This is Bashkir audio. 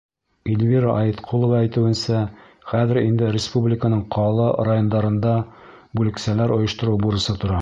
Эльвира Айытҡолова әйтеүенсә, хәҙер инде республиканың ҡала, райондарында бүлексәләр ойоштороу бурысы тора.